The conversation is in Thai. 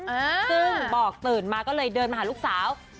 ซึ่งบอกตื่นมาก็เลยเดินมาหาลูกสาว